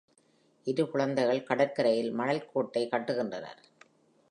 இரு குழந்தைகள் கடற்கரையில் மணல் கோட்டை கட்டுகின்றனர்.